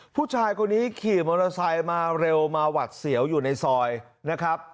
ผู้ชายคนนี้ขี่มอเตอร์ไซค์มาเร็วมาหวัดเสียวอยู่ในซอยนะครับ